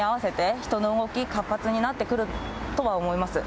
人の動き活発になってくるとは思います。